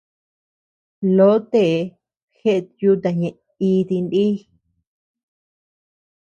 Lotee jeʼet yuta ñeʼe iti nïʼ.